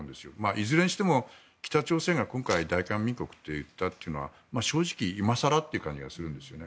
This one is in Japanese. いずれにしても北朝鮮が今回大韓民国と言ったというのは正直、今更という感じがするんですね。